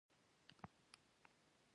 ثلث د خط؛ یو ډول دﺉ.